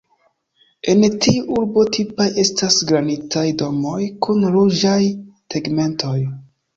En tiu urbo tipaj estas granitaj domoj kun ruĝaj tegmentoj.